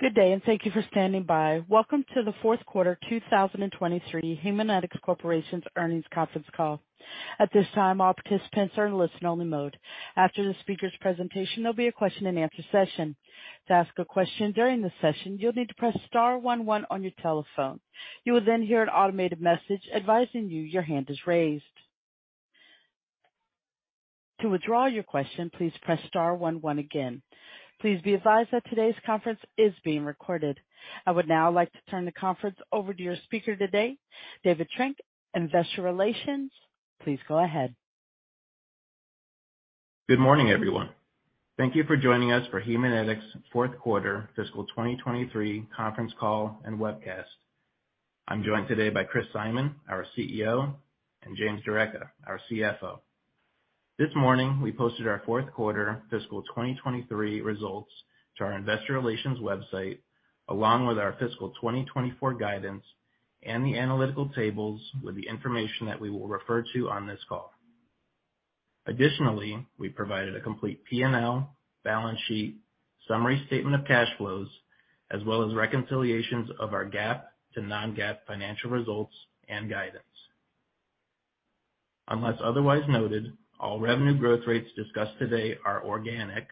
Good day, and thank you for standing by. Welcome to the Q4 2023 Haemonetics Corporation's earnings conference call. At this time, all participants are in listen only mode. After the speaker's presentation, there'll be a question and answer session. To ask a question during the session, you'll need to press star 11 on your telephone. You will then hear an automated message advising you your hand is raised. To withdraw your question, please press star 11 again. Please be advised that today's conference is being recorded. I would now like to turn the conference over to your speaker today, David Trenk, Investor Relations. Please go ahead. Good morning, everyone. Thank you for joining us for Haemonetics' Q4 fiscal 2023 conference call and webcast. I'm joined today by Chris Simon, our CEO, and James D'Arecca, our CFO. This morning, we posted our Q4 fiscal 2023 results to our investor relations website, along with our fiscal 2024 guidance and the analytical tables with the information that we will refer to on this call. Additionally, we provided a complete P&L, balance sheet, summary statement of cash flows, as well as reconciliations of our GAAP to non-GAAP financial results and guidance. Unless otherwise noted, all revenue growth rates discussed today are organic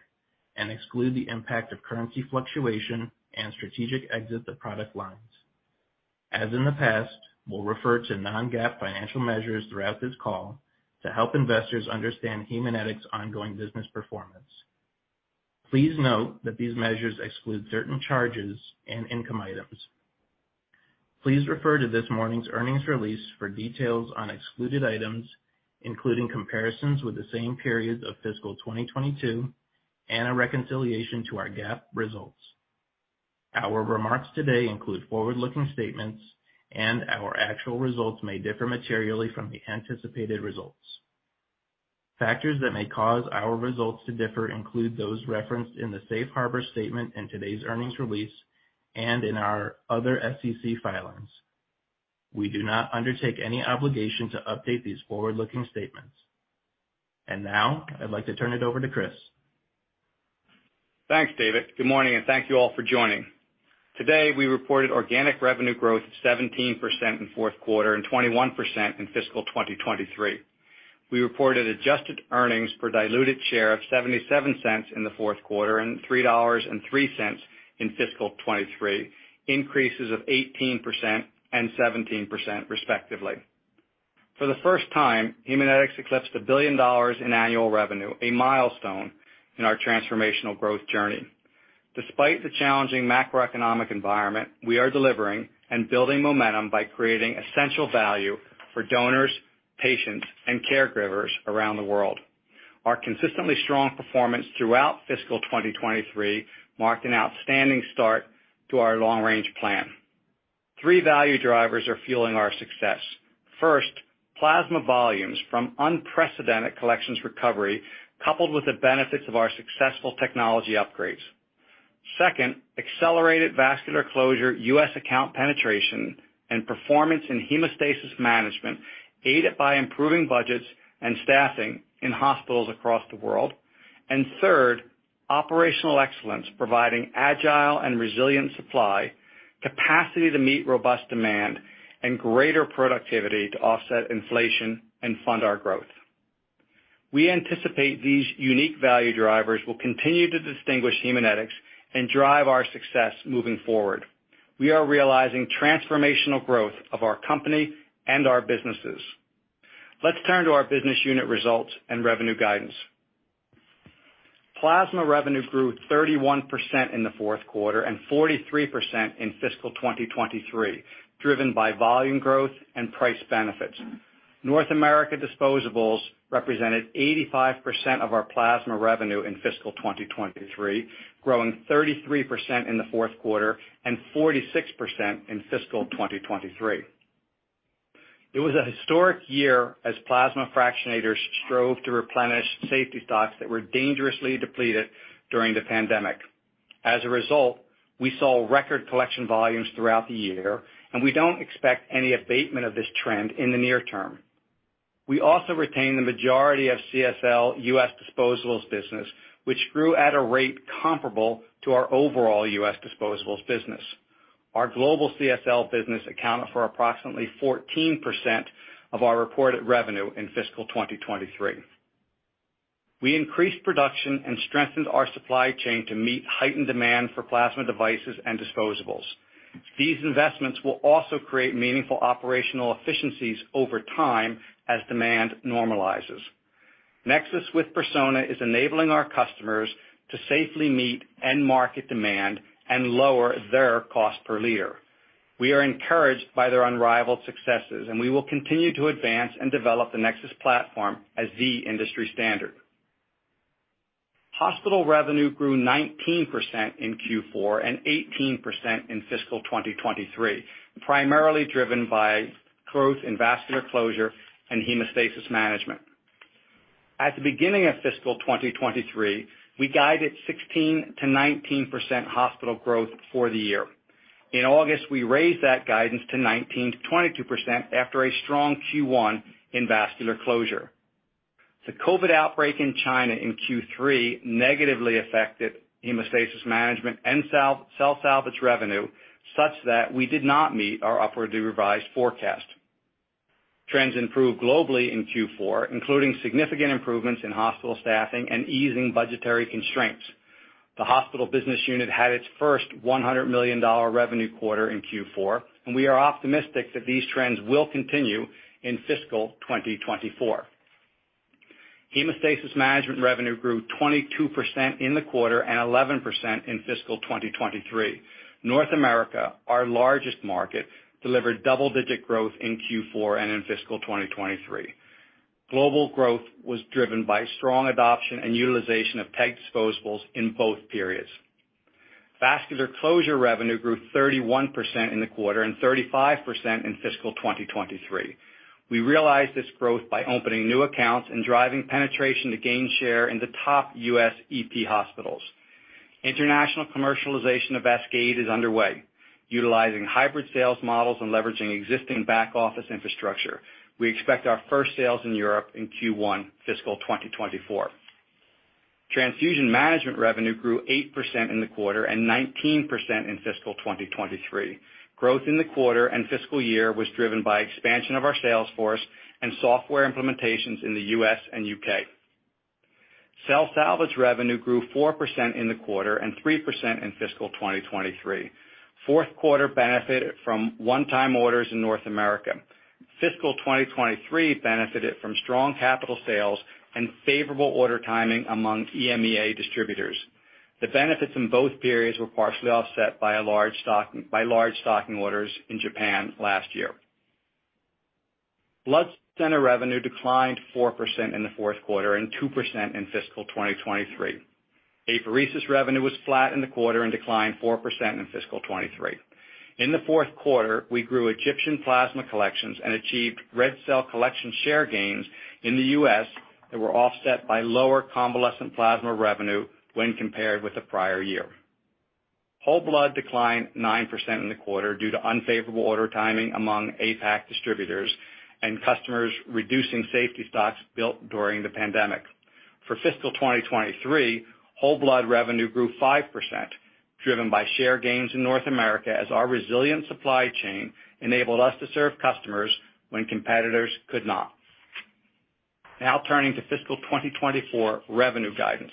and exclude the impact of currency fluctuation and strategic exit of product lines. As in the past, we'll refer to non-GAAP financial measures throughout this call to help investors understand Haemonetics' ongoing business performance. Please note that these measures exclude certain charges and income items. Please refer to this morning's earnings release for details on excluded items, including comparisons with the same period of fiscal 2022 and a reconciliation to our GAAP results. Our remarks today include forward-looking statements, and our actual results may differ materially from the anticipated results. Factors that may cause our results to differ include those referenced in the safe harbor statement in today's earnings release and in our other SEC filings. We do not undertake any obligation to update these forward-looking statements. Now I'd like to turn it over to Chris. Thanks, David. Good morning, and thank you all for joining. Today, we reported organic revenue growth of 17% in Q4 and 21% in fiscal 2023. We reported adjusted earnings per diluted share of $0.77 in the Q4 and $3.03 in fiscal 2023, increases of 18% and 17% respectively. For the first time, Haemonetics eclipsed $1 billion in annual revenue, a milestone in our transformational growth journey. Despite the challenging macroeconomic environment, we are delivering and building momentum by creating essential value for donors, patients, and caregivers around the world. Our consistently strong performance throughout fiscal 2023 marked an outstanding start to our long-range plan. Three value drivers are fueling our success. First, plasma volumes from unprecedented collections recovery coupled with the benefits of our successful technology upgrades. Second, accelerated vascular closure U.S. account penetration and performance in hemostasis management, aided by improving budgets and staffing in hospitals across the world. Third, operational excellence, providing agile and resilient supply, capacity to meet robust demand and greater productivity to offset inflation and fund our growth. We anticipate these unique value drivers will continue to distinguish Haemonetics and drive our success moving forward. We are realizing transformational growth of our company and our businesses. Let's turn to our business unit results and revenue guidance. Plasma revenue grew 31% in the Q4 and 43% in fiscal 2023, driven by volume growth and price benefits. North America disposables represented 85% of our plasma revenue in fiscal 2023, growing 33% in the Q4 and 46% in fiscal 2023. It was a historic year as fractionators strove to replenish safety stocks that were dangerously depleted during the pandemic. We saw record collection volumes throughout the year. We don't expect any abatement of this trend in the near term. We also retained the majority of CSL U.S. disposables business, which grew at a rate comparable to our overall U.S. disposables business. Our global CSL business accounted for approximately 14% of our reported revenue in fiscal 2023. We increased production and strengthened our supply chain to meet heightened demand for plasma devices and disposables. These investments will also create meaningful operational efficiencies over time as demand normalizes. NexSys with Persona is enabling our customers to safely meet end market demand and lower their cost per liter. We are encouraged by their unrivaled successes. We will continue to advance and develop the NexSys platform as the industry standard. Hospital revenue grew 19% in Q4 and 18% in fiscal 2023, primarily driven by growth in vascular closure and hemostasis management. At the beginning of fiscal 2023, we guided 16%-19% hospital growth for the year. In August, we raised that guidance to 19%-22% after a strong Q1 in vascular closure. The COVID outbreak in China in Q3 negatively affected hemostasis management and Cell Salvage revenue such that we did not meet our upward revised forecast. Trends improved globally in Q4, including significant improvements in hospital staffing and easing budgetary constraints. The hospital business unit had its first $100 million revenue quarter in Q4. We are optimistic that these trends will continue in fiscal 2024. Hemostasis management revenue grew 22% in the quarter and 11% in fiscal 2023. North America, our largest market, delivered double-digit growth in Q4 and in fiscal 2023. Global growth was driven by strong adoption and utilization of PEG disposables in both periods. Vascular closure revenue grew 31% in the quarter and 35% in fiscal 2023. We realized this growth by opening new accounts and driving penetration to gain share in the top U.S. EP hospitals. International commercialization of VASCADE is underway, utilizing hybrid sales models and leveraging existing back-office infrastructure. We expect our first sales in Europe in Q1 fiscal 2024. Transfusion management revenue grew 8% in the quarter and 19% in fiscal 2023. Growth in the quarter and fiscal year was driven by expansion of our sales force and software implementations in the U.S. and U.K. Cell Salvage revenue grew 4% in the quarter and 3% in fiscal 2023. Q4 benefited from one-time orders in North America. Fiscal 2023 benefited from strong capital sales and favorable order timing among EMEA distributors. The benefits in both periods were partially offset by large stocking orders in Japan last year. Blood center revenue declined 4% in the Q4 and 2% in fiscal 2023. Apheresis revenue was flat in the quarter and declined 4% in fiscal 2023. In the Q4, we grew Egyptian plasma collections and achieved red cell collection share gains in the U.S. that were offset by lower convalescent plasma revenue when compared with the prior year. Whole blood declined 9% in the quarter due to unfavorable order timing among APAC distributors and customers reducing safety stocks built during the pandemic. For fiscal 2023, whole blood revenue grew 5%, driven by share gains in North America as our resilient supply chain enabled us to serve customers when competitors could not. Turning to fiscal 2024 revenue guidance.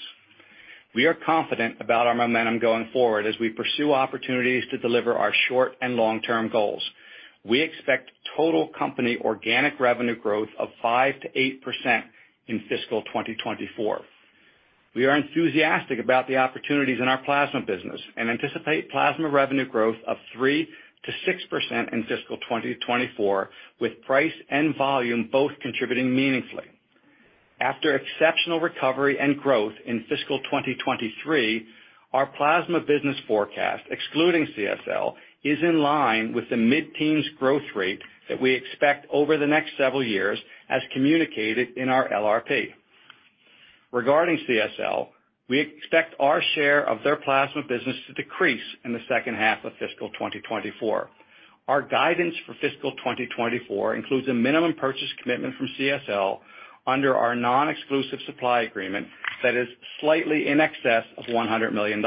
We are confident about our momentum going forward as we pursue opportunities to deliver our short and long-term goals. We expect total company organic revenue growth of 5%-8% in fiscal 2024. We are enthusiastic about the opportunities in our plasma business and anticipate plasma revenue growth of 3%-6% in fiscal 2024, with price and volume both contributing meaningfully. After exceptional recovery and growth in fiscal 2023, our plasma business forecast, excluding CSL, is in line with the mid-teens growth rate that we expect over the next several years, as communicated in our LRP. Regarding CSL, we expect our share of their plasma business to decrease in the second half of fiscal 2024. Our guidance for fiscal 2024 includes a minimum purchase commitment from CSL under our non-exclusive supply agreement that is slightly in excess of $100 million.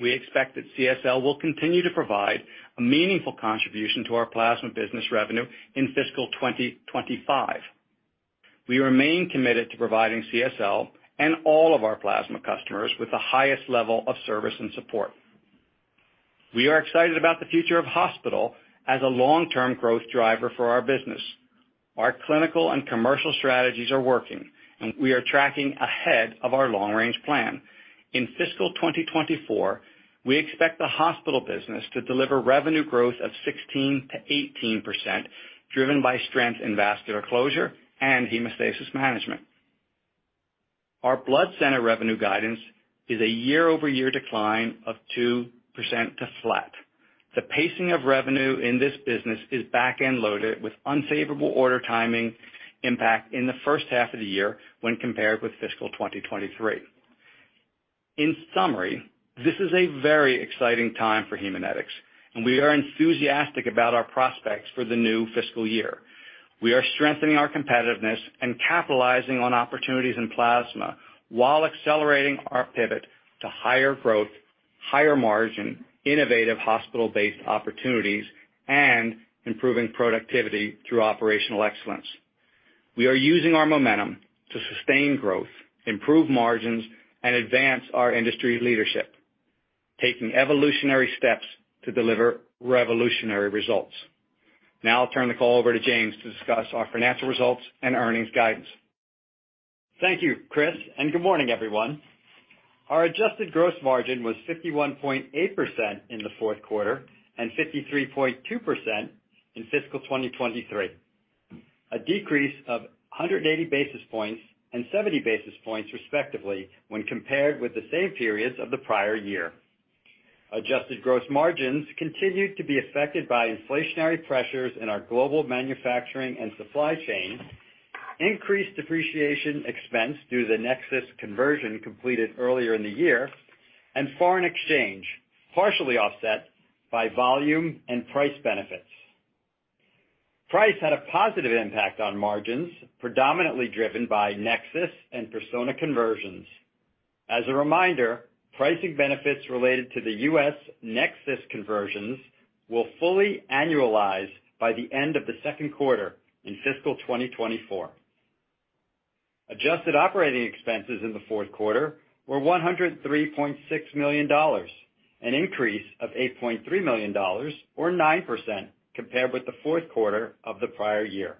We expect that CSL will continue to provide a meaningful contribution to our plasma business revenue in fiscal 2025. We remain committed to providing CSL and all of our plasma customers with the highest level of service and support. We are excited about the future of hospital as a long-term growth driver for our business. Our clinical and commercial strategies are working. We are tracking ahead of our long-range plan. In fiscal 2024, we expect the hospital business to deliver revenue growth of 16%-18%, driven by strength in vascular closure and hemostasis management. Our blood center revenue guidance is a year-over-year decline of 2% to flat. The pacing of revenue in this business is back-end loaded with unfavorable order timing impact in the first half of the year when compared with fiscal 2023. In summary, this is a very exciting time for Haemonetics, and we are enthusiastic about our prospects for the new fiscal year. We are strengthening our competitiveness and capitalizing on opportunities in plasma while accelerating our pivot to higher growth, higher margin, innovative hospital-based opportunities, and improving productivity through operational excellence. We are using our momentum to sustain growth, improve margins, and advance our industry leadership, taking evolutionary steps to deliver revolutionary results. Now I'll turn the call over to James to discuss our financial results and earnings guidance. Thank you, Chris, and good morning, everyone. Our adjusted gross margin was 51.8% in the Q4 and 53.2% in fiscal 2023, a decrease of 180 basis points and 70 basis points respectively when compared with the same periods of the prior year. Adjusted gross margins continued to be affected by inflationary pressures in our global manufacturing and supply chain, increased depreciation expense due to the NexSys conversion completed earlier in the year, and foreign exchange, partially offset by volume and price benefits. Price had a positive impact on margins, predominantly driven by NexSys and Persona conversions. As a reminder, pricing benefits related to the U.S. NexSys conversions will fully annualize by the end of the Q2 in fiscal 2024. Adjusted operating expenses in the Q4 were $103.6 million, an increase of $8.3 million or 9% compared with the Q4 of the prior year.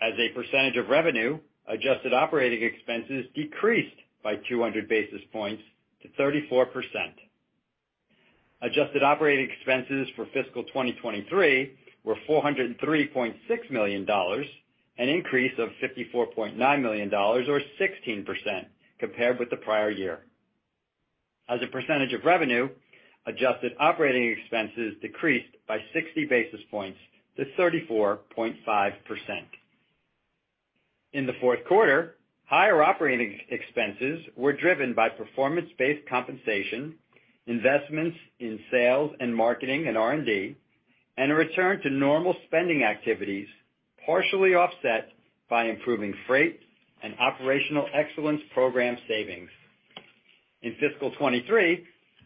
As a percentage of revenue, adjusted operating expenses decreased by 200 basis points to 34%. Adjusted operating expenses for fiscal 2023 were $403.6 million, an increase of $54.9 million or 16% compared with the prior year. As a percentage of revenue, adjusted operating expenses decreased by 60 basis points to 34.5%. In the Q4, higher operating expenses were driven by performance-based compensation, investments in sales and marketing and R&D, and a return to normal spending activities, partially offset by improving freight and operational excellence program savings. In fiscal 2023,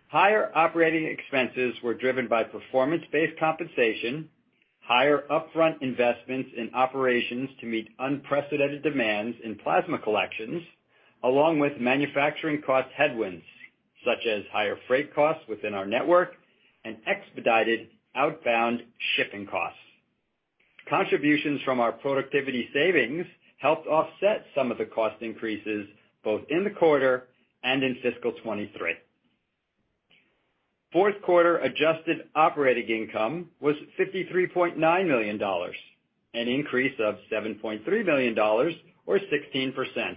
higher operating expenses were driven by performance-based compensation, higher upfront investments in operations to meet unprecedented demands in plasma collections, along with manufacturing cost headwinds such as higher freight costs within our network and expedited outbound shipping costs. Contributions from our productivity savings helped offset some of the cost increases both in the quarter and in fiscal 2023. Q4 Adjusted Operating Income was $53.9 million, an increase of $7.3 million or 16%.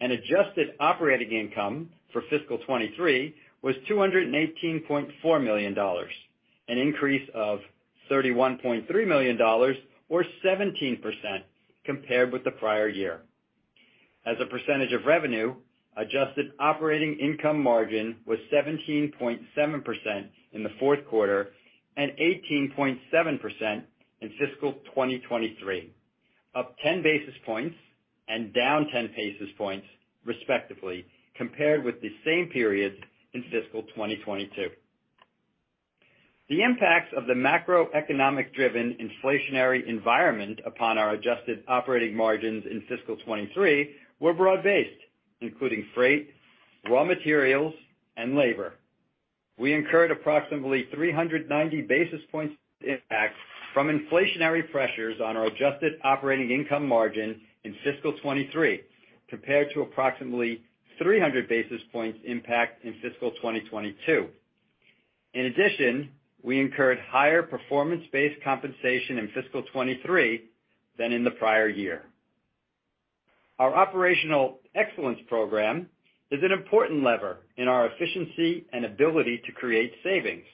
Adjusted Operating Income for fiscal 2023 was $218.4 million, an increase of $31.3 million or 17% compared with the prior year. As a percentage of revenue, adjusted operating income margin was 17.7% in the Q4 and 18.7% in fiscal 2023, up 10 basis points and down 10 basis points respectively, compared with the same period in fiscal 2022. The impacts of the macroeconomic-driven inflationary environment upon our adjusted operating margins in fiscal 2023 were broad-based, including freight, raw materials and labor. We incurred approximately 390 basis points impact from inflationary pressures on our adjusted operating income margin in fiscal 2023 compared to approximately 300 basis points impact in fiscal 2022. In addition, we incurred higher performance-based compensation in fiscal 2023 than in the prior year. Our operational excellence program is an important lever in our efficiency and ability to create savings.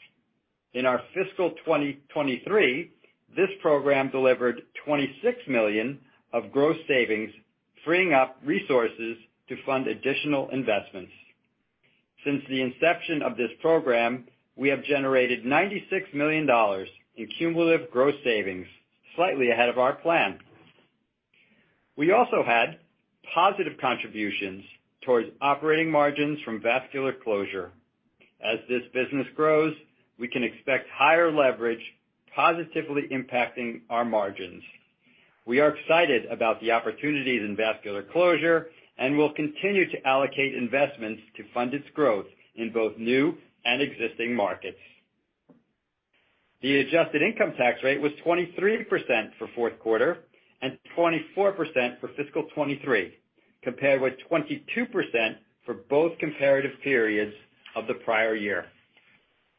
In our fiscal 2023, this program delivered $26 million of gross savings, freeing up resources to fund additional investments. Since the inception of this program, we have generated $96 million in cumulative gross savings, slightly ahead of our plan. We also had positive contributions towards operating margins from Vascular Closure. As this business grows, we can expect higher leverage positively impacting our margins. We are excited about the opportunities in Vascular Closure and will continue to allocate investments to fund its growth in both new and existing markets. The adjusted income tax rate was 23% for Q4 and 24% for fiscal 2023, compared with 22% for both comparative periods of the prior year.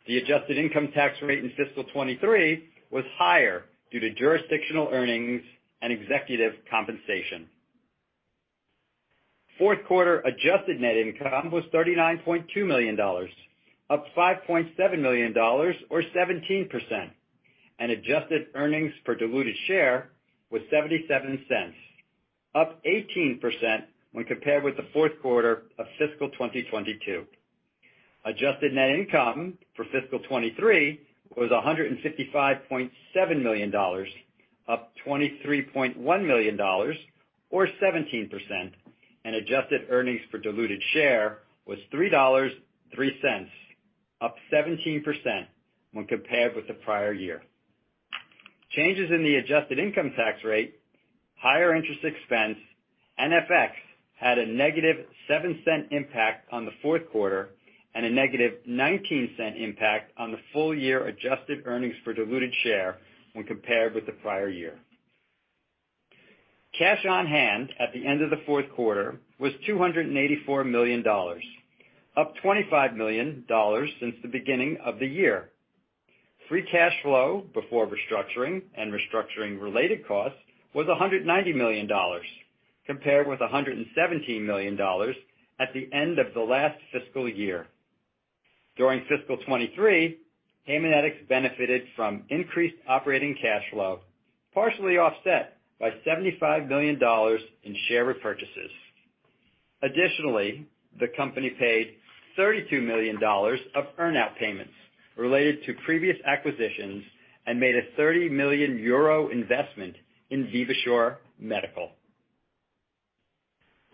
The adjusted income tax rate in fiscal 2023 was higher due to jurisdictional earnings and executive compensation. Q4 Adjusted Net Income was $39.2 million, up $5.7 million or 17%, and adjusted earnings per diluted share was $0.77, up 18% when compared with the Q4 of fiscal 2022. Adjusted Net Income for fiscal 2023 was $155.7 million, up $23.1 million or 17%, and adjusted earnings per diluted share was $3.03, up 17% when compared with the prior year. Changes in the adjusted income tax rate, higher interest expense, NFX had a negative $0.07 impact on the Q4 and a negative $0.19 impact on the full year adjusted earnings per diluted share when compared with the prior year. Cash on hand at the end of the Q4 was $284 million, up $25 million since the beginning of the year. Free cash flow before restructuring and restructuring-related costs was $190 million compared with $117 million at the end of the last fiscal year. During fiscal 2023, Haemonetics benefited from increased operating cash flow, partially offset by $75 million in share repurchases. Additionally, the company paid $32 million of earn-out payments related to previous acquisitions and made a 30 million euro investment in Vivasure Medical.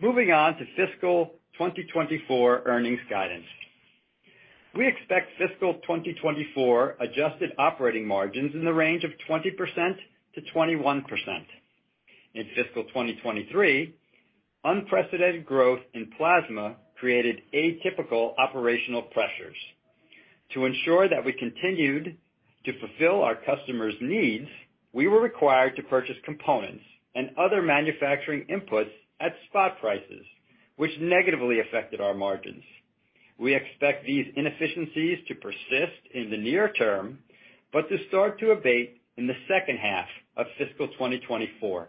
Moving on to fiscal 2024 earnings guidance. We expect fiscal 2024 adjusted operating margins in the range of 20%-21%. In fiscal 2023, unprecedented growth in plasma created atypical operational pressures. To ensure that we continued to fulfill our customers' needs, we were required to purchase components and other manufacturing inputs at spot prices, which negatively affected our margins. We expect these inefficiencies to persist in the near term, but to start to abate in the second half of fiscal 2024.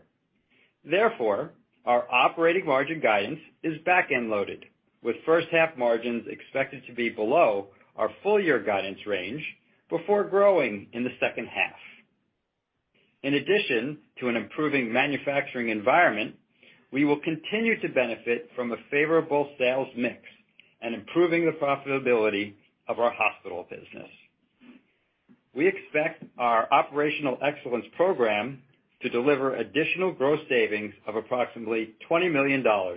Therefore, our operating margin guidance is back-end loaded, with first half margins expected to be below our full year guidance range before growing in the second half. In addition to an improving manufacturing environment, we will continue to benefit from a favorable sales mix and improving the profitability of our hospital business. We expect our operational excellence program to deliver additional gross savings of approximately $20 million, $6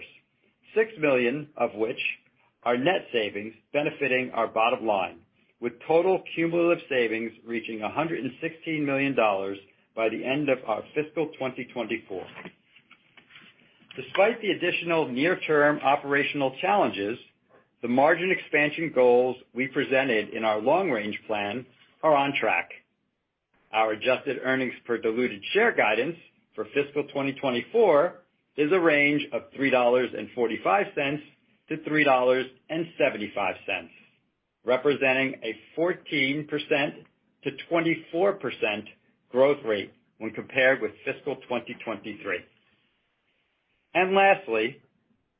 million of which are net savings benefiting our bottom line, with total cumulative savings reaching $116 million by the end of our fiscal 2024. Despite the additional near-term operational challenges, the margin expansion goals we presented in our long-range plan are on track. Our adjusted earnings per diluted share guidance for fiscal 2024 is a range of $3.45-$3.75, representing a 14%-24% growth rate when compared with fiscal 2023. Lastly,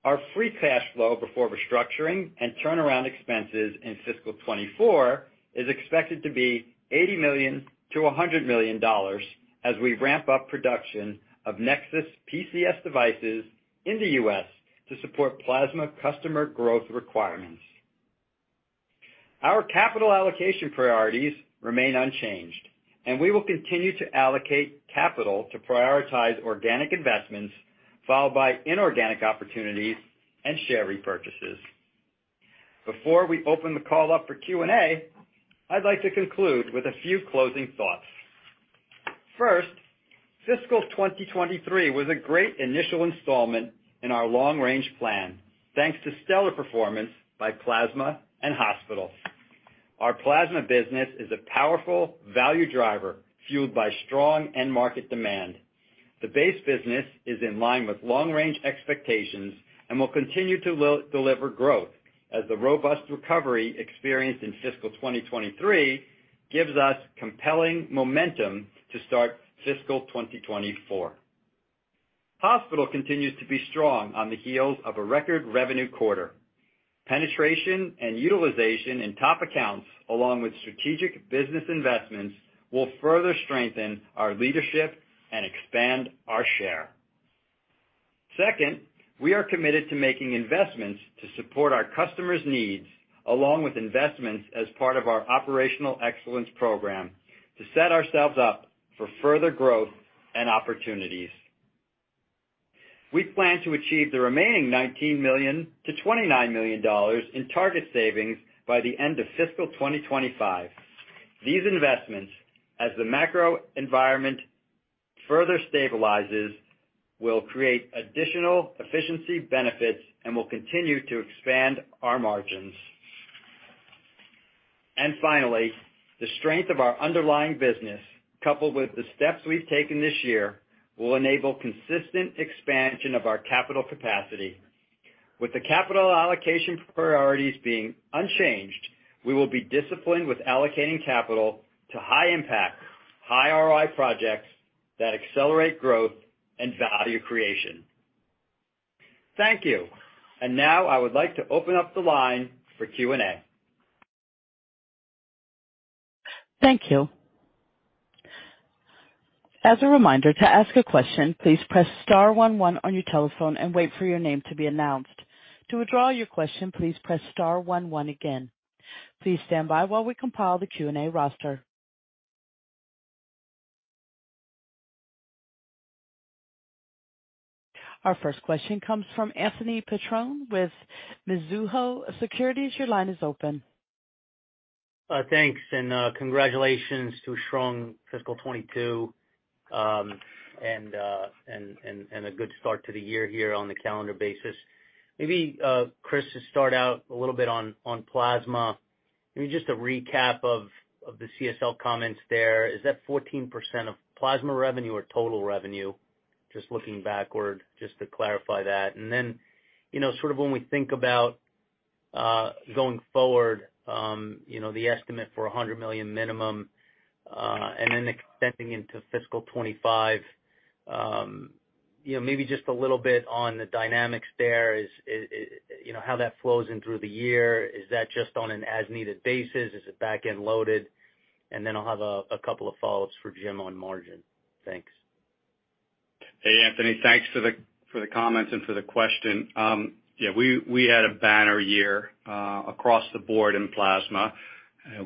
our free cash flow before restructuring and turnaround expenses in fiscal 2024 is expected to be $80 million-$100 million as we ramp up production of NexSys PCS devices in the U.S. to support plasma customer growth requirements. Our capital allocation priorities remain unchanged. We will continue to allocate capital to prioritize organic investments followed by inorganic opportunities and share repurchases. Before we open the call up for Q&A, I'd like to conclude with a few closing thoughts. Fiscal 2023 was a great initial installment in our long-range plan, thanks to stellar performance by Plasma and Hospital. Our Plasma business is a powerful value driver fueled by strong end market demand. The base business is in line with long-range expectations and will continue to deliver growth as the robust recovery experienced in fiscal 2023 gives us compelling momentum to start fiscal 2024. Hospital continues to be strong on the heels of a record revenue quarter. Penetration and utilization in top accounts, along with strategic business investments, will further strengthen our leadership and expand our share. We are committed to making investments to support our customers' needs, along with investments as part of our operational excellence program to set ourselves up for further growth and opportunities. We plan to achieve the remaining $19 million to $29 million in target savings by the end of fiscal 2025. These investments, as the macro environment further stabilizes, will create additional efficiency benefits and will continue to expand our margins. Finally, the strength of our underlying business, coupled with the steps we've taken this year, will enable consistent expansion of our capital capacity. With the capital allocation priorities being unchanged, we will be disciplined with allocating capital to high impact, high ROI projects that accelerate growth and value creation. Thank you. Now I would like to open up the line for Q&A. Thank you. As a reminder, to ask a question, please press star one one on your telephone and wait for your name to be announced. To withdraw your question, please press star one one again. Please stand by while we compile the Q&A roster. Our first question comes from Anthony Petrone with Mizuho Securities. Your line is open. Thanks and congratulations to a strong fiscal 2022 and a good start to the year here on the calendar basis. Maybe, Chris, to start out a little bit on Plasma, maybe just a recap of the CSL comments there. Is that 14% of Plasma revenue or total revenue? Just looking backward, just to clarify that. Then, you know, sort of when we think about going forward, you know, the estimate for $100 million minimum, and then extending into fiscal 2025, you know, maybe just a little bit on the dynamics there. You know, how that flows in through the year, is that just on an as-needed basis? Is it back-end loaded? Then I'll have a couple of follow-ups for Jim on margin. Thanks. Hey, Anthony. Thanks for the comments and for the question. Yeah, we had a banner year across the board in plasma,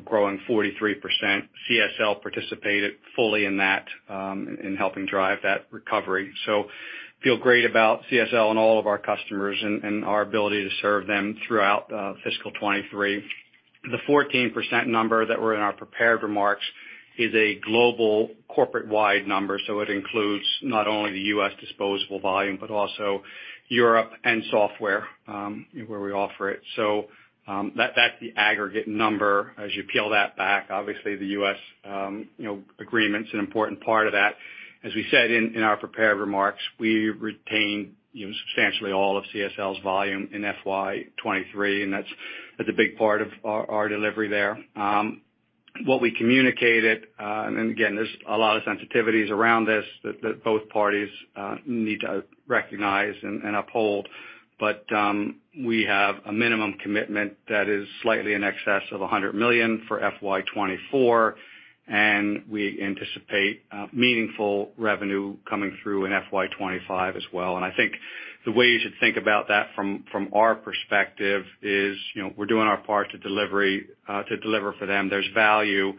growing 43%. CSL participated fully in that, in helping drive that recovery. Feel great about CSL and all of our customers and our ability to serve them throughout fiscal 23. The 14% number that were in our prepared remarks is a global corporate-wide number, so it includes not only the U.S. disposable volume, but also Europe and software where we offer it. That's the aggregate number. As you peel that back, obviously the U.S., you know, agreement's an important part of that. As we said in our prepared remarks, we retained, you know, substantially all of CSL's volume in FY 23, and that's a big part of our delivery there. What we communicated, and again, there's a lot of sensitivities around this that both parties need to recognize and uphold. We have a minimum commitment that is slightly in excess of $100 million for FY 2024. We anticipate meaningful revenue coming through in FY 2025 as well. I think the way you should think about that from our perspective is, you know, we're doing our part to deliver for them. There's value.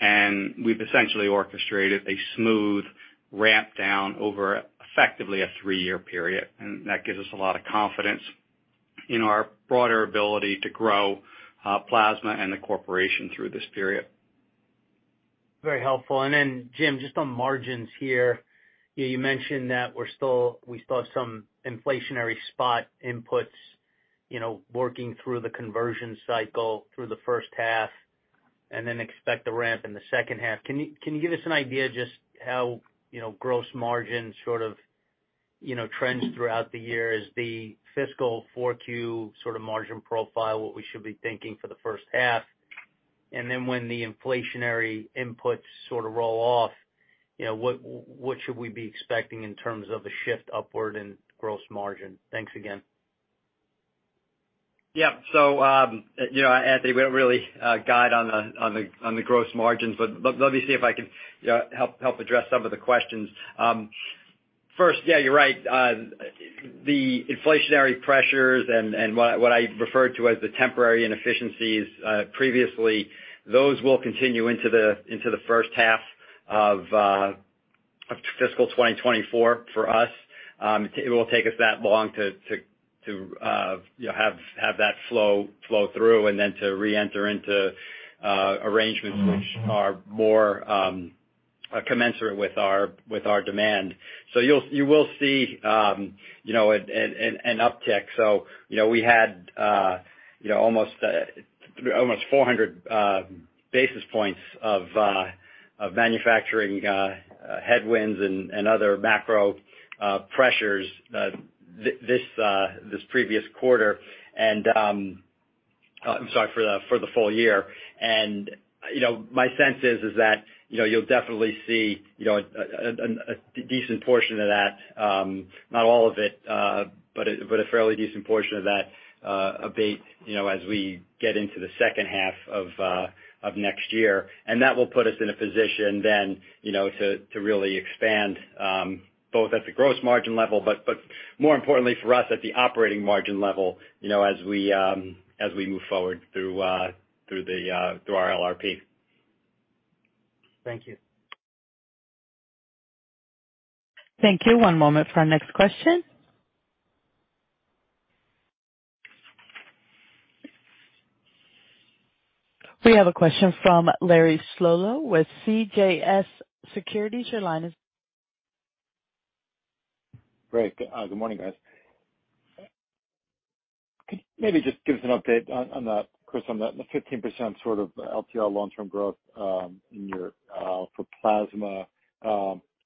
We've essentially orchestrated a smooth ramp down over effectively a 3-year period, and that gives us a lot of confidence in our broader ability to grow plasma and the corporation through this period. Very helpful. Then Jim, just on margins here. You mentioned that we're still, we saw some inflationary spot inputs, you know, working through the conversion cycle through the first half and then expect a ramp in the second half. Can you give us an idea just how, you know, gross margin sort of, you know, trends throughout the year as the fiscal 4Q sort of margin profile, what we should be thinking for the first half? Then when the inflationary inputs sort of roll off, you know, what should we be expecting in terms of a shift upward in gross margin? Thanks again. Yeah. you know, Anthony, we don't really guide on the gross margins, but let me see if I can help address some of the questions. First, yeah, you're right. The inflationary pressures and what I referred to as the temporary inefficiencies, previously, those will continue into the first half of fiscal 2024 for us. It will take us that long to, you know, have that flow through and then to reenter into arrangements which are more commensurate with our demand. You will see, you know, an uptick. You know, we had, you know, almost 400 basis points of manufacturing headwinds and other macro pressures this previous quarter. I'm sorry, for the full year. You know, my sense is that, you know, you'll definitely see, you know, a decent portion of that, not all of it, but a fairly decent portion of that abate, you know, as we get into the second half of next year. That will put us in a position then, you know, to really expand both at the gross margin level, but more importantly for us, at the operating margin level, you know, as we move forward through the, through our LRP. Thank you. Thank you. One moment for our next question. We have a question from Larry Solow with CJS Securities. Your line is- Great. Good morning, guys. Could maybe just give us an update on the, Chris, on the 15% sort of LTL long-term growth in your for plasma?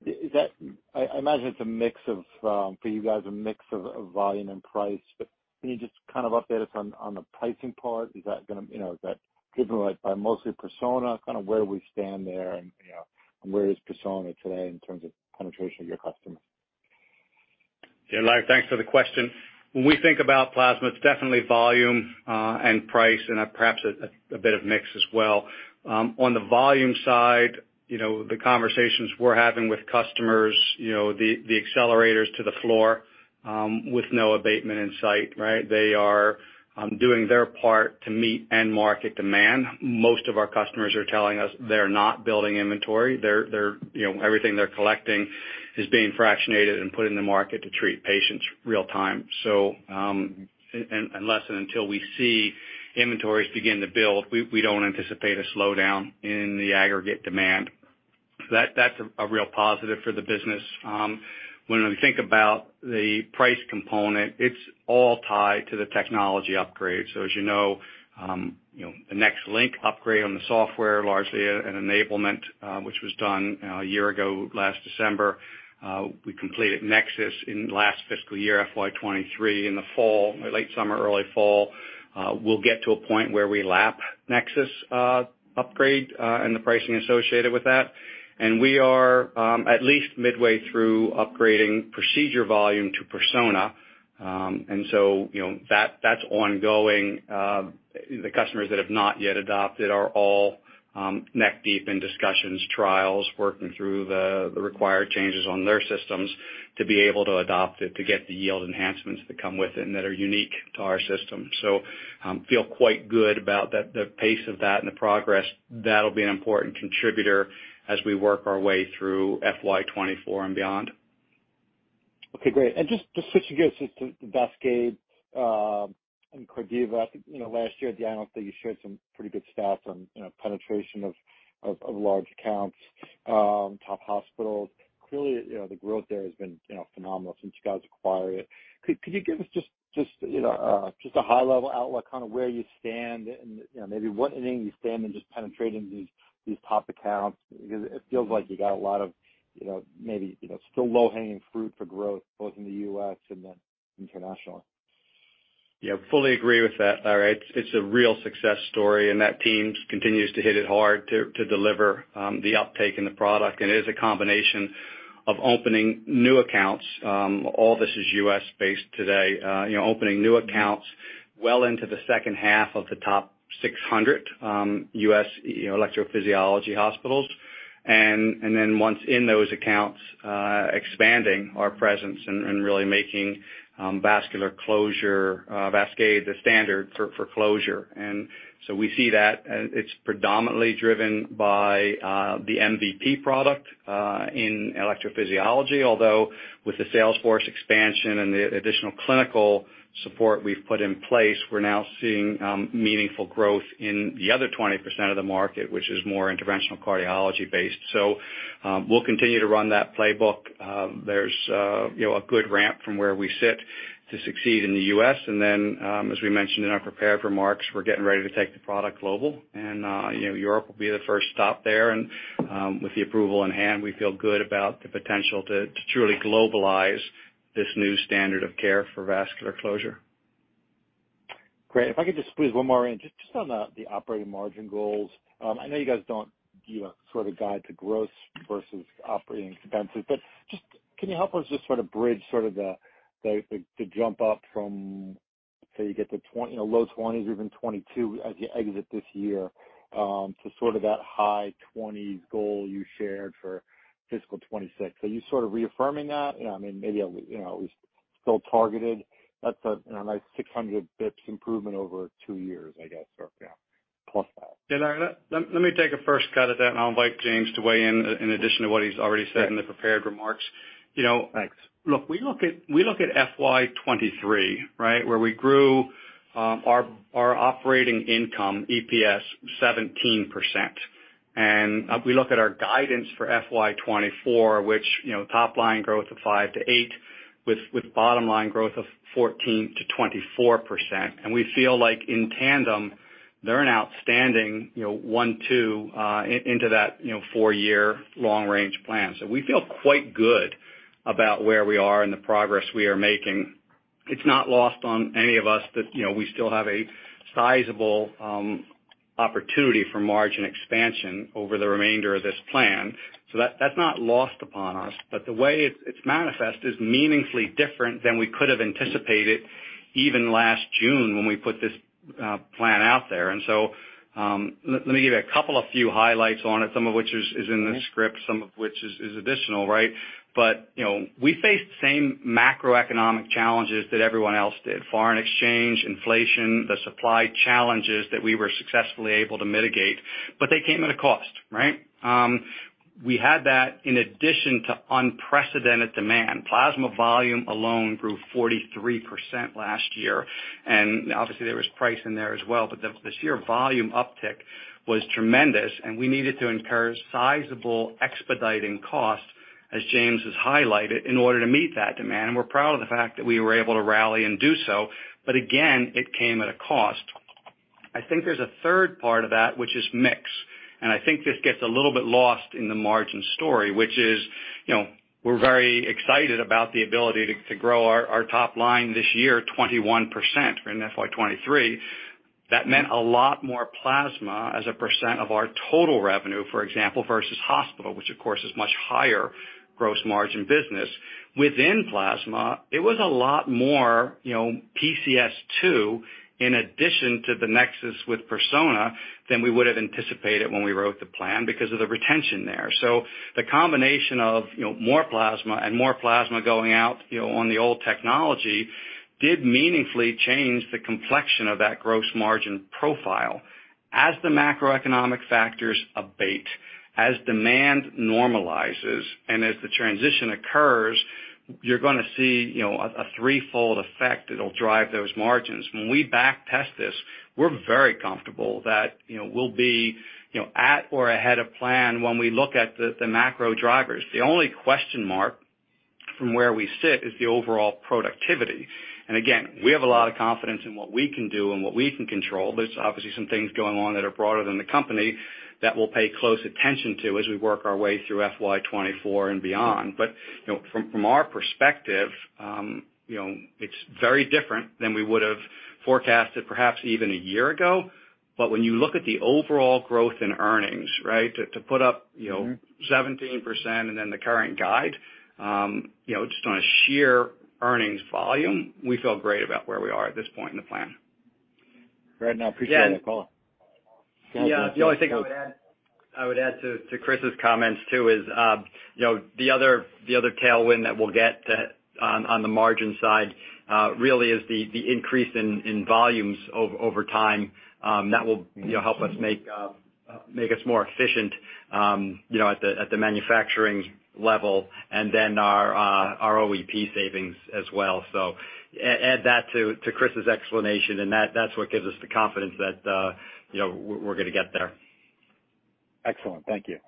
Is that I imagine it's a mix of for you guys, a mix of volume and price, but can you just kind of update us on the pricing part? Is that you know, is that driven by mostly Persona, kind of where we stand there and, you know, and where is Persona today in terms of penetration of your customers? Yeah, Larry, thanks for the question. When we think about plasma, it's definitely volume, and price and perhaps a bit of mix as well. On the volume side, you know, the conversations we're having with customers, you know, the accelerators to the floor, with no abatement in sight, right? They are doing their part to meet end market demand. Most of our customers are telling us they're not building inventory. They're, you know, everything they're collecting is being fractionated and put in the market to treat patients real time. Unless and until we see inventories begin to build, we don't anticipate a slowdown in the aggregate demand. That's a real positive for the business. When we think about the price component, it's all tied to the technology upgrade. As you know, you know, the NexLynk upgrade on the software, largely an enablement, which was done a year ago last December. We completed NexSys in last fiscal year, FY 2023, in the fall, late summer, early fall. We'll get to a point where we lap NexSys upgrade and the pricing associated with that. We are at least midway through upgrading procedure volume to Persona. You know, that's ongoing. The customers that have not yet adopted are all neck deep in discussions, trials, working through the required changes on their systems to be able to adopt it to get the yield enhancements that come with it and that are unique to our system. Feel quite good about the pace of that and the progress. That'll be an important contributor as we work our way through FY 2024 and beyond. Okay, great. Just switching gears just to the VASCADE and Cardiva. You know, last year at the analyst day you shared some pretty good stats on, you know, penetration of large accounts, top hospitals. Clearly, you know, the growth there has been, you know, phenomenal since you guys acquired it. Could you give us just, you know, a high level outlook kind of where you stand and, you know, maybe what inning you stand and just penetrating these top accounts? Because it feels like you got a lot of, you know, maybe still low hanging fruit for growth, both in the U.S. and then internationally. Yeah, fully agree with that, Larry Solow. It's, it's a real success story, and that team continues to hit it hard to deliver the uptake in the product. It is a combination of opening new accounts, all this is U.S.-based today. You know, opening new accounts well into the second half of the top 600 U.S., you know, electrophysiology hospitals. Then once in those accounts, expanding our presence and really making vascular closure, VASCADE the standard for closure. So we see that, and it's predominantly driven by the MVP product in electrophysiology. Although with the sales force expansion and the additional clinical support we've put in place, we're now seeing meaningful growth in the other 20% of the market, which is more interventional cardiology based. We'll continue to run that playbook. There's, you know, a good ramp from where we sit to succeed in the U.S. Then, as we mentioned in our prepared remarks, we're getting ready to take the product global. You know, Europe will be the first stop there. With the approval in hand, we feel good about the potential to truly globalize this new standard of care for vascular closure. Great. If I could just please one more in just on the operating margin goals. I know you guys don't give a sort of guide to growth versus operating expenses, but can you help us just sort of bridge sort of the jump up from, say, you get to, you know, low twenties or even 22 as you exit this year, to sort of that high twenties goal you shared for fiscal 2026. Are you sort of reaffirming that? You know, I mean, maybe, you know, we still targeted. That's a, you know, a nice 600 basis points improvement over two years, I guess, or, you know, plus that. Yeah, Larry, let me take a first cut at that. I'll invite James to weigh in addition to what he's already said in the prepared remarks. You know. Thanks... look, we look at FY 2023, right? Where we grew, our operating income, EPS 17%. We look at our guidance for FY 2024, which, you know, top line growth of 5%-8%, with bottom line growth of 14%-24%. We feel like in tandem, they're an outstanding, you know, one, two, into that, you know, 4-year long range plan. We feel quite good about where we are and the progress we are making. It's not lost on any of us that, you know, we still have a sizable opportunity for margin expansion over the remainder of this plan. That's not lost upon us, but the way it's manifest is meaningfully different than we could have anticipated even last June when we put this, plan out there. Let me give you a couple of few highlights on it, some of which is in the script, some of which is additional, right? You know, we faced the same macroeconomic challenges that everyone else did. Foreign exchange, inflation, the supply challenges that we were successfully able to mitigate, but they came at a cost, right? We had that in addition to unprecedented demand. Plasma volume alone grew 43% last year, and obviously there was price in there as well. The sheer volume uptick was tremendous, and we needed to incur sizable expediting costs, as James has highlighted, in order to meet that demand. We're proud of the fact that we were able to rally and do so. Again, it came at a cost. I think there's a third part of that which is mix. I think this gets a little bit lost in the margin story, which is, you know, we're very excited about the ability to grow our top line this year, 21% in FY23. That meant a lot more plasma as a percent of our total revenue, for example, versus hospital, which of course is much higher gross margin business. Within plasma, it was a lot more, you know, PCS2 in addition to the NexSys with Persona than we would've anticipated when we wrote the plan because of the retention there. The combination of, you know, more plasma and more plasma going out, you know, on the old technology did meaningfully change the complexion of that gross margin profile. As the macroeconomic factors abate, as demand normalizes, and as the transition occurs, you're gonna see, you know, a threefold effect that'll drive those margins. When we back test this, we're very comfortable that, you know, we'll be, you know, at or ahead of plan when we look at the macro drivers. The only question mark from where we sit is the overall productivity. Again, we have a lot of confidence in what we can do and what we can control. There's obviously some things going on that are broader than the company that we'll pay close attention to as we work our way through FY 2024 and beyond. You know, from our perspective, you know, it's very different than we would've forecasted perhaps even a year ago. When you look at the overall growth in earnings, right, to put up, you know, 17% and then the current guide, you know, just on a sheer earnings volume, we feel great about where we are at this point in the plan. Great. I appreciate the call. Yeah. Yeah. The only thing I would add to Chris's comments too is, you know, the other tailwind that we'll get to on the margin side, really is the increase in volumes over time that will, you know, help us make us more efficient at the manufacturing level and then our OEP savings as well. Add that to Chris's explanation, and that's what gives us the confidence that, you know, we're gonna get there. Excellent. Thank you.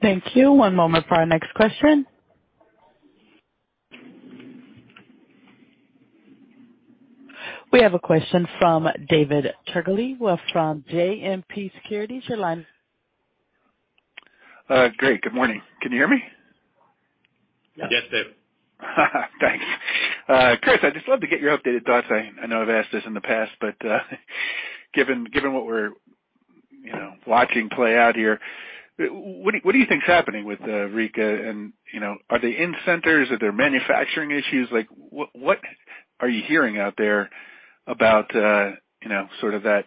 Thank you. One moment for our next question. We have a question from David Turkaly from JMP Securities. Your line. great. Good morning. Can you hear me? Yes. Yes, Dave. Thanks. Chris, I'd just love to get your updated thoughts. I know I've asked this in the past, but, given what we're, you know, watching play out here, what do you think is happening with Rika and, you know, are they in centers? Are there manufacturing issues? Like, what are you hearing out there about, you know, sort of that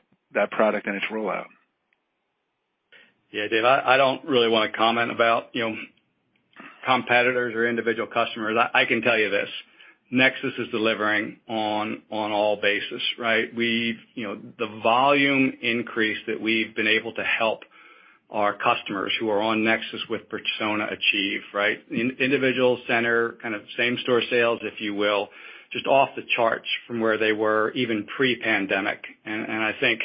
product and its rollout? Yeah, Dave, I don't really wanna comment about, you know, competitors or individual customers. I can tell you this, NexSys is delivering on all basis, right? You know, the volume increase that we've been able to help our customers who are on NexSys with Persona achieve, right? Individual center, kind of same store sales, if you will, just off the charts from where they were even pre-pandemic. I think,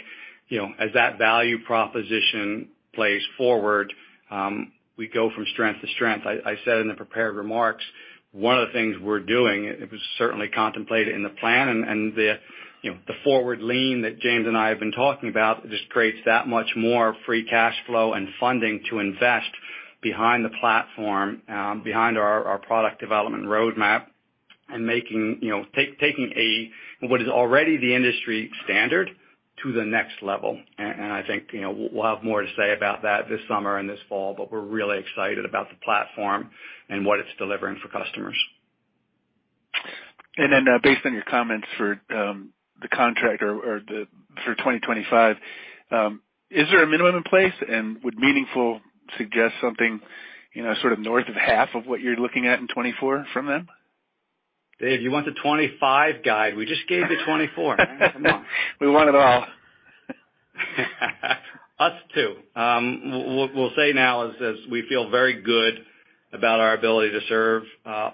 you know, as that value proposition plays forward, we go from strength to strength. I said in the prepared remarks, one of the things we're doing, it was certainly contemplated in the plan and the, you know, the forward lean that James and I have been talking about just creates that much more free cash flow and funding to invest behind the platform, behind our product development roadmap. you know, taking a what is already the industry standard to the next level. I think, you know, we'll have more to say about that this summer and this fall, but we're really excited about the platform and what it's delivering for customers. Based on your comments for the contract or the for 2025, is there a minimum in place? Would meaningful suggest something, you know, sort of north of half of what you're looking at in 2024 from them? Dave, you want the 2025 guide. We just gave the 2024. We want it all. Us too. What we'll say now is we feel very good about our ability to serve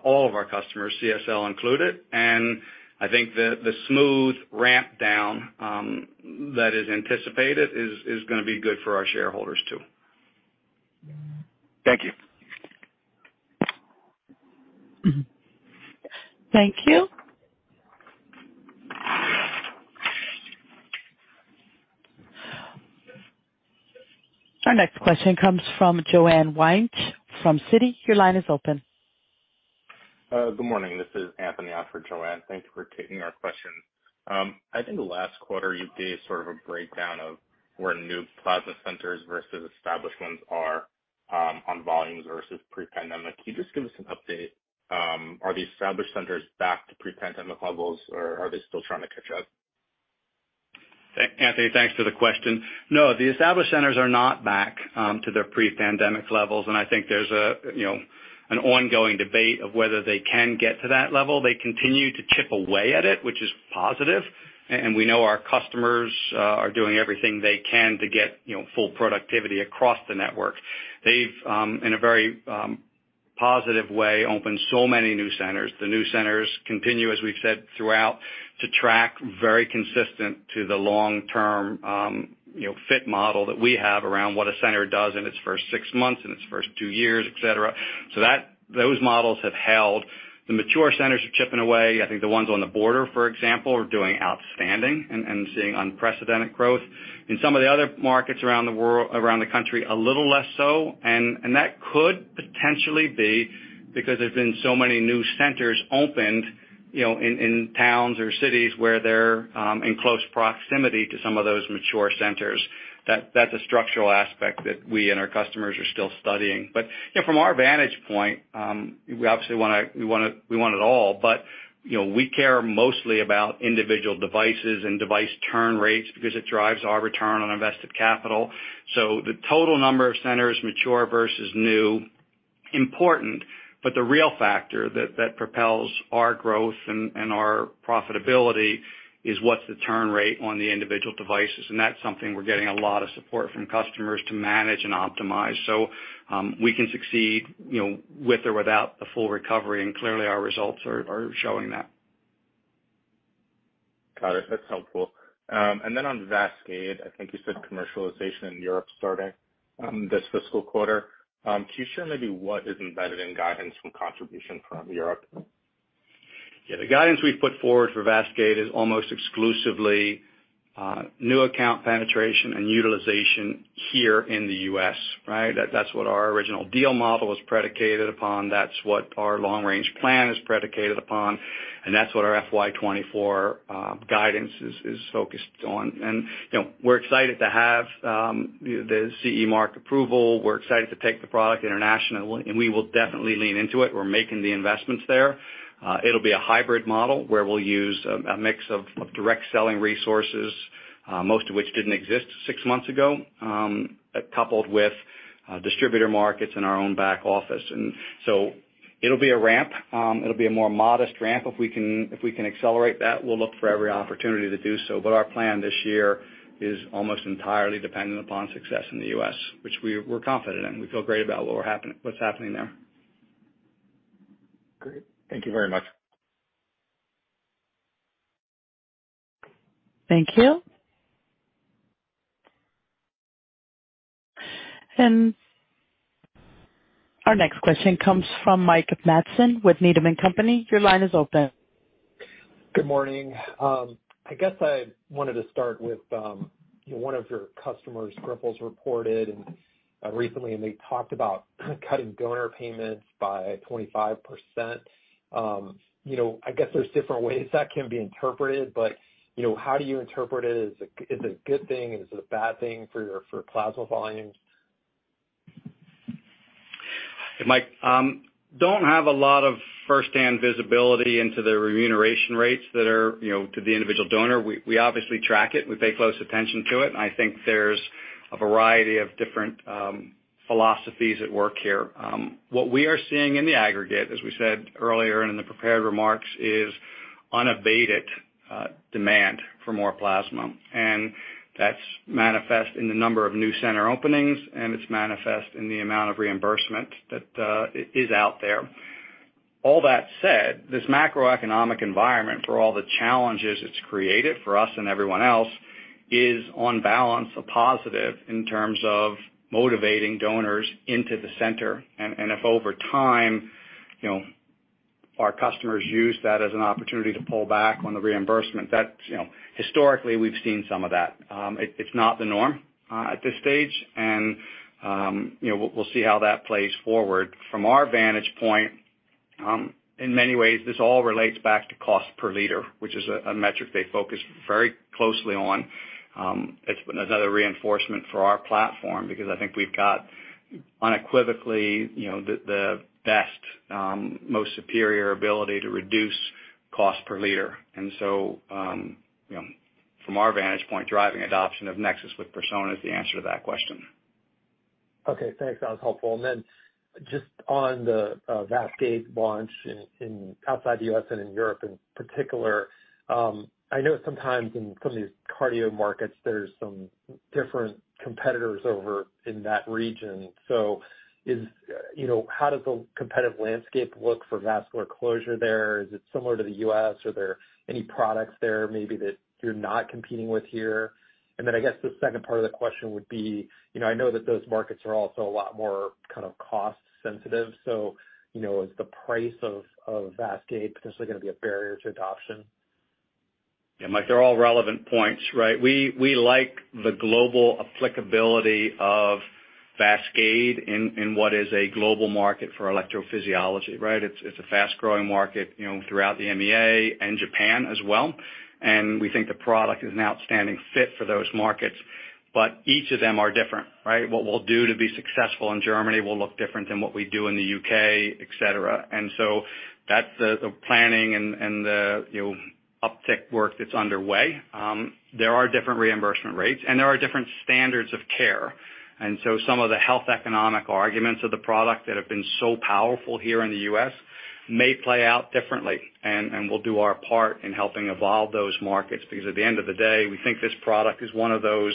all of our customers, CSL included. I think the smooth ramp down that is anticipated is gonna be good for our shareholders too. Thank you. Thank you. Our next question comes from Joanne Wuensch from Citigroup. Your line is open. Good morning. This is Anthony off for Joanne. Thank you for taking our question. I think last quarter you gave sort of a breakdown of where new plasma centers versus established ones are on volumes versus pre-pandemic. Can you just give us an update? Are the established centers back to pre-pandemic levels, or are they still trying to catch up? Anthony, thanks for the question. No, the established centers are not back to their pre-pandemic levels. I think there's a, you know, an ongoing debate of whether they can get to that level. They continue to chip away at it, which is positive, and we know our customers are doing everything they can to get, you know, full productivity across the network. They've in a very positive way, opened so many new centers. The new centers continue, as we've said throughout, to track very consistent to the long-term, you know, fit model that we have around what a center does in its first six months, in its first two years, et cetera. Those models have held. The mature centers are chipping away. I think the ones on the border, for example, are doing outstanding and seeing unprecedented growth. In some of the other markets around the country, a little less so. That could potentially be because there's been so many new centers opened, you know, in towns or cities where they're in close proximity to some of those mature centers. That's a structural aspect that we and our customers are still studying. You know, from our vantage point, we obviously wanna, we want it all, but, you know, we care mostly about individual devices and device turn rates because it drives our return on invested capital. The total number of centers, mature versus new, important, but the real factor that propels our growth and our profitability is what's the turn rate on the individual devices, and that's something we're getting a lot of support from customers to manage and optimize. We can succeed, you know, with or without the full recovery, and clearly, our results are showing that. Got it. That's helpful. Then on VASCADE, I think you said commercialization in Europe starting this fiscal quarter. Can you share maybe what is embedded in guidance from contribution from Europe? Yeah. The guidance we've put forward for VASCADE is almost exclusively new account penetration and utilization here in the US, right? That's what our original deal model is predicated upon. That's what our long range plan is predicated upon, and that's what our FY 2024 guidance is focused on. You know, we're excited to have, you know, the CE mark approval. We're excited to take the product international, we will definitely lean into it. We're making the investments there. It'll be a hybrid model where we'll use a mix of direct selling resources, most of which didn't exist six months ago, coupled with distributor markets in our own back office. It'll be a ramp. It'll be a more modest ramp. If we can accelerate that, we'll look for every opportunity to do so. Our plan this year is almost entirely dependent upon success in the US, which we're confident in. We feel great about what's happening there. Great. Thank you very much. Thank you. Our next question comes from Mike Matson with Needham & Company. Your line is open. Good morning. I guess I wanted to start with, one of your customers, Grifols, reported recently, and they talked about cutting donor payments by 25%. You know, I guess there's different ways that can be interpreted, but, you know, how do you interpret it? Is it a good thing? Is it a bad thing for your plasma volumes? Mike, don't have a lot of firsthand visibility into the remuneration rates that are, you know, to the individual donor. We obviously track it. We pay close attention to it. I think there's a variety of different philosophies at work here. What we are seeing in the aggregate, as we said earlier in the prepared remarks, is unabated demand for more plasma. That's manifest in the number of new center openings, and it's manifest in the amount of reimbursement that is out there. All that said, this macroeconomic environment, for all the challenges it's created for us and everyone else, is on balance a positive in terms of motivating donors into the center. If over time, you know, our customers use that as an opportunity to pull back on the reimbursement, that's, you know, historically, we've seen some of that. It, it's not the norm at this stage. You know, we'll see how that plays forward. From our vantage point, in many ways this all relates back to cost per liter, which is a metric they focus very closely on. It's another reinforcement for our platform because I think we've got unequivocally, you know, the best, most superior ability to reduce cost per liter. You know, from our vantage point, driving adoption of NexSys with Persona is the answer to that question. Okay, thanks. That was helpful. Just on the VASCADE launch in outside the U.S. and in Europe in particular, I know sometimes in some of these cardio markets, there's some different competitors over in that region. Is, you know, how does the competitive landscape look for vascular closure there? Is it similar to the U.S.? Are there any products there maybe that you're not competing with here? I guess the second part of the question would be, you know, I know that those markets are also a lot more kind of cost sensitive. You know, is the price of VASCADE potentially going to be a barrier to adoption? Yeah, Mike, they're all relevant points, right? We like the global applicability of VASCADE in what is a global market for electrophysiology, right? It's a fast-growing market, you know, throughout the EMEA and Japan as well. We think the product is an outstanding fit for those markets, but each of them are different, right? What we'll do to be successful in Germany will look different than what we do in the U.K., et cetera. That's the planning and the, you know, uptick work that's underway. There are different reimbursement rates, and there are different standards of care. Some of the health economic arguments of the product that have been so powerful here in the U.S. may play out differently. We'll do our part in helping evolve those markets, because at the end of the day, we think this product is one of those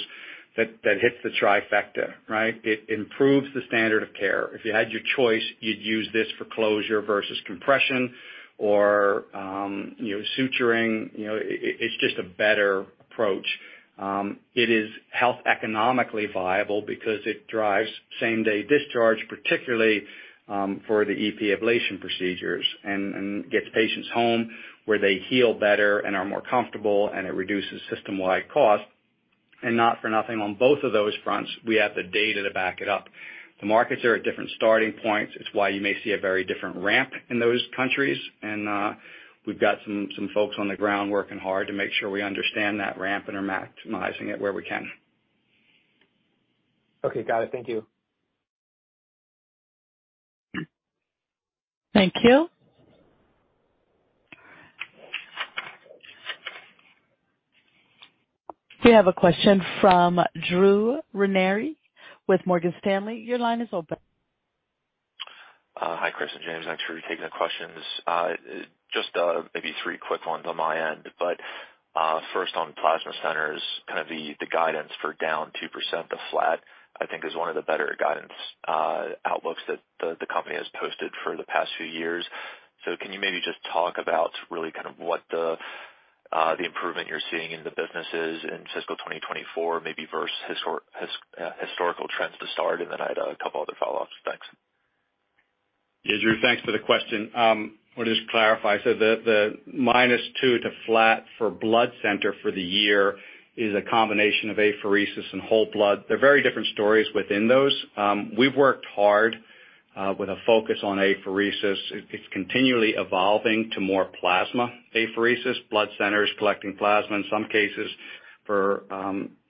that hits the trifecta, right? It improves the standard of care. If you had your choice, you'd use this for closure versus compression or, you know, suturing. You know, it's just a better approach. It is health economically viable because it drives same-day discharge, particularly for the EP ablation procedures and gets patients home where they heal better and are more comfortable, and it reduces system-wide cost. Not for nothing, on both of those fronts, we have the data to back it up. The markets are at different starting points. It's why you may see a very different ramp in those countries. We've got some folks on the ground working hard to make sure we understand that ramp and are maximizing it where we can. Okay. Got it. Thank you. Thank you. We have a question from Drew Ranieri with Morgan Stanley. Your line is open. Hi, Chris and James. Thanks for taking the questions. Just maybe three quick ones on my end, first on plasma centers, kind of the guidance for down 2% to flat, I think is one of the better guidance outlooks that the company has posted for the past few years. Can you maybe just talk about really kind of what the improvement you're seeing in the businesses in fiscal 2024 maybe versus historical trends to start? Then I had a couple other follow-ups. Thanks. Yeah, Drew, thanks for the question. I'll just clarify. The, the -2 to flat for blood center for the year is a combination of apheresis and whole blood. They're very different stories within those. We've worked hard, with a focus on apheresis. It's continually evolving to more plasma apheresis, blood centers collecting plasma, in some cases for,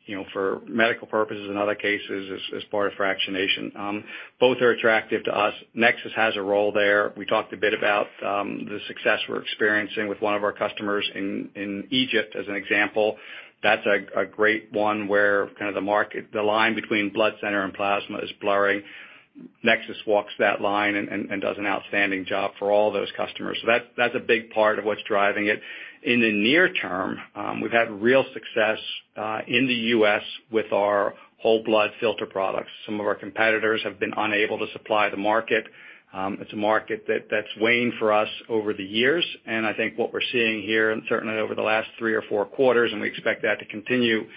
you know, for medical purposes, in other cases as part of fractionation. Both are attractive to us. NexSys has a role there. We talked a bit about, the success we're experiencing with one of our customers in Egypt, as an example. That's a great one where kind of the line between blood center and plasma is blurry. NexSys walks that line and does an outstanding job for all those customers. That's a big part of what's driving it. In the near term, we've had real success in the U.S. with our whole blood filter products. Some of our competitors have been unable to supply the market. It's a market that's waned for us over the years. I think what we're seeing here, and certainly over the last 3 or 4 quarters, and we expect that to continue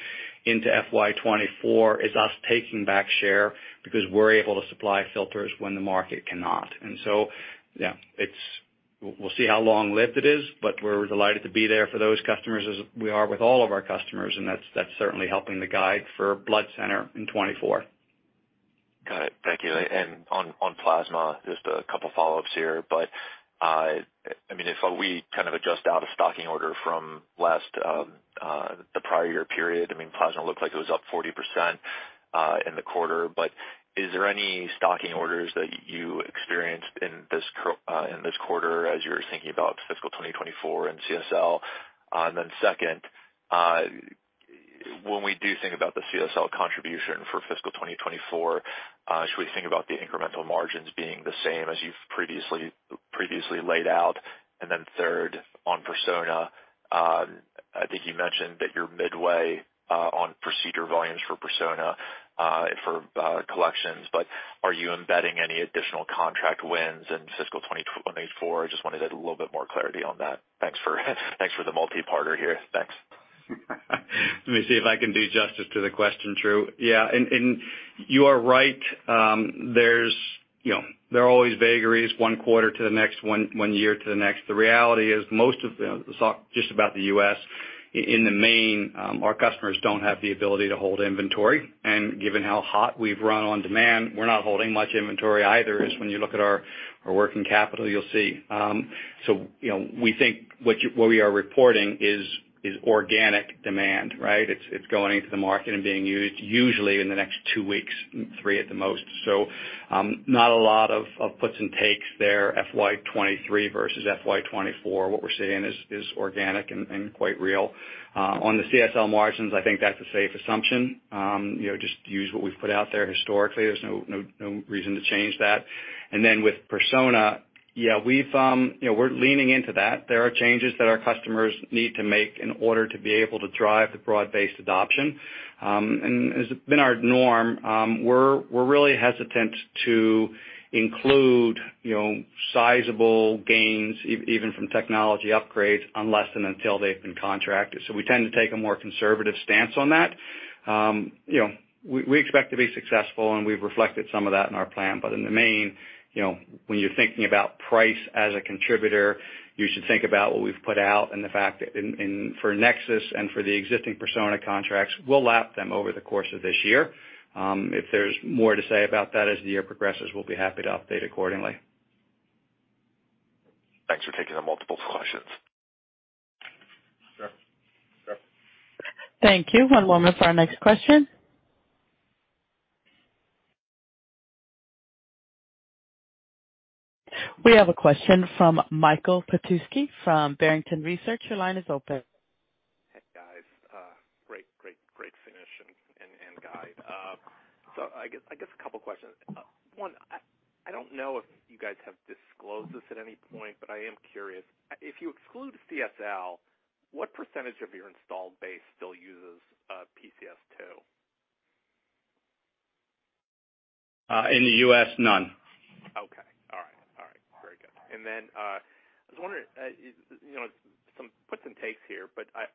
into FY 2024, is us taking back share because we're able to supply filters when the market cannot. Yeah, it's. We'll see how long-lived it is, but we're delighted to be there for those customers as we are with all of our customers, and that's certainly helping the guide for blood center in 2024. Got it. Thank you. On, on plasma, just a couple follow-ups here. I mean, if we kind of adjust out of stocking order from last, the prior year period, I mean, plasma looked like it was up 40% in the quarter, but is there any stocking orders that you experienced in this quarter as you were thinking about fiscal 2024 and CSL? Second, when we do think about the CSL contribution for fiscal 2024, should we think about the incremental margins being the same as you've previously laid out? Third, on Persona, I think you mentioned that you're midway on procedure volumes for Persona, for collections, but are you embedding any additional contract wins in fiscal 2024? I just wanted to get a little bit more clarity on that. Thanks for the multi-parter here. Thanks. Let me see if I can do justice to the question, Drew. Yeah. You are right. There's, you know, there are always vagaries one quarter to the next, one year to the next. The reality is, just about the U.S., in the main, our customers don't have the ability to hold inventory. Given how hot we've run on demand, we're not holding much inventory either, as when you look at our working capital, you'll see. You know, we think what we are reporting is organic demand, right? It's going into the market and being used usually in the next 2 weeks, 3 at the most. Not a lot of puts and takes there, FY23 versus FY24. What we're seeing is organic and quite real. On the CSL margins, I think that's a safe assumption. You know, just use what we've put out there historically. There's no reason to change that. Then with Persona, yeah, we've. You know, we're leaning into that. There are changes that our customers need to make in order to be able to drive the broad-based adoption. As been our norm, we're really hesitant to include, you know, sizable gains even from technology upgrades unless and until they've been contracted. We tend to take a more conservative stance on that. You know, we expect to be successful, and we've reflected some of that in our plan. In the main, you know, when you're thinking about price as a contributor, you should think about what we've put out and the fact that for NexSys and for the existing Persona contracts, we'll lap them over the course of this year. If there's more to say about that as the year progresses, we'll be happy to update accordingly. Thanks for taking the multiple questions. Sure. Sure. Thank you. One moment for our next question. We have a question from Michael Petusky from Barrington Research. Your line is open. Hey, guys. Great, great finish and guide. I guess a couple questions. One, I don't know if you guys have disclosed this at any point, but I am curious. If you exclude CSL, what % of your installed base still uses PCS2? In the U.S., none. Okay. All right. All right. Very good. Then, I was wondering, you know, some puts and takes here, but I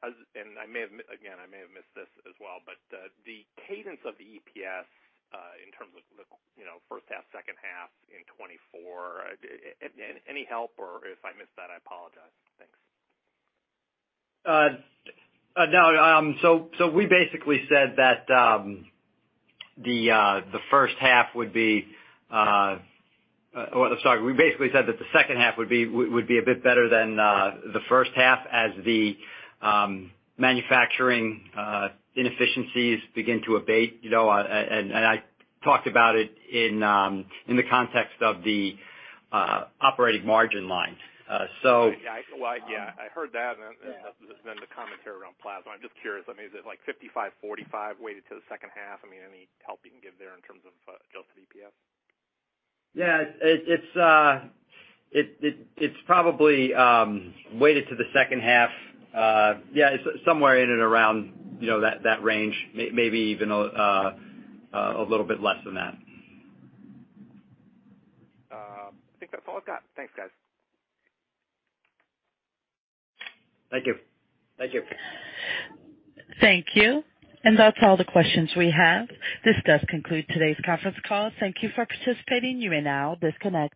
may have missed this as well, but the cadence of the EPS in terms of the, you know, first half, second half in 2024, any help, or if I missed that, I apologize. Thanks. No, we basically said that the first half would be. Sorry, we basically said that the second half would be a bit better than the first half as the manufacturing inefficiencies begin to abate, you know. I talked about it in the context of the operating margin line. Well, yeah, I heard that and then the commentary around plasma. I'm just curious, I mean, is it like 55, 45 weighted to the second half? I mean, any help you can give there in terms of adjusted EPS? Yeah, it's probably weighted to the second half. Yeah, somewhere in and around, you know, that range, maybe even a little bit less than that. I think that's all I've got. Thanks, guys. Thank you. Thank you. Thank you. That's all the questions we have. This does conclude today's conference call. Thank you for participating. You may now disconnect.